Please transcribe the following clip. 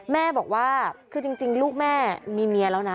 แม่บอกว่าคือจริงลูกแม่มีเมียแล้วนะ